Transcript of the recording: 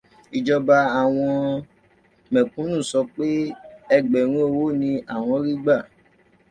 Ìjọba àwọn mẹ̀kúnnù sọ pé ẹgbẹ̀rún owó ni àwọn rí gbà